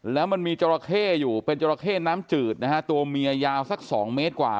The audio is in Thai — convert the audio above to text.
แล้วมันมีจราเข้อยู่เป็นจราเข้น้ำจืดนะฮะตัวเมียยาวสัก๒เมตรกว่า